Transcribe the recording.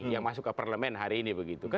yang masuk ke parlemen hari ini begitu kan